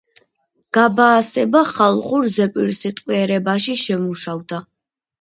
გაბაასება ხალხურ ზეპირსიტყვიერებაში შემუშავდა.